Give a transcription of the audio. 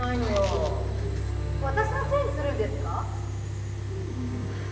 私のせいにするんですか？